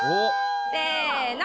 せの！